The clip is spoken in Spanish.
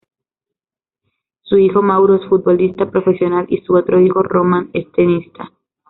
Su hijo Mauro es futbolista profesional, y su otro hijo Roman es tenista.